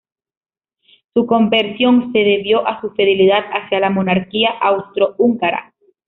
Su conversión se debió a su fidelidad hacia la monarquía austro-húngara.